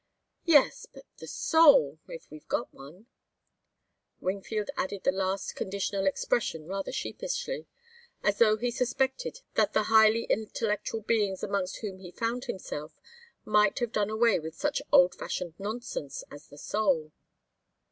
"Yes, but the soul if we've got one." Wingfield added the last conditional expression rather sheepishly, as though he suspected that the highly intellectual beings amongst whom he found himself might have done away with such old fashioned nonsense as the soul.